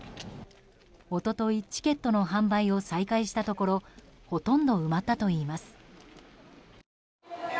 おととい、チケットの販売を再開したところほとんど埋まったといいます。